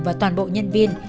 và toàn bộ nhân viên